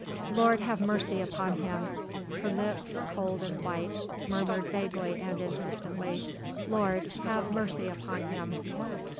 "Lord have mercy upon him!" her lips, cold and white, murmured vaguely and insistently, "Lord have mercy upon him!